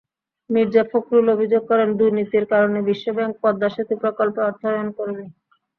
মির্জা ফখরুল অভিযোগ করেন, দুর্নীতির কারণে বিশ্বব্যাংক পদ্মা সেতু প্রকল্পে অর্থায়ন করেনি।